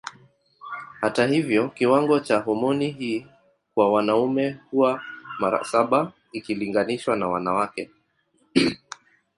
Hata hivyo kiwango cha homoni hii kwa wanaume huwa mara saba ikilinganishwa na wanawake.